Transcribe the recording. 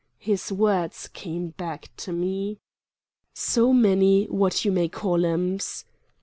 His words came back to me. "So many what you may call 'ems."